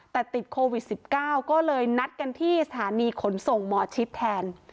แต่ติดโควิด๑๙ก็เลยนัดกันที่สถานีขนส่งหมอชิดแทน